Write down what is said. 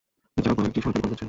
এছাড়াও কয়েকটি সরকারি কলেজ আছে।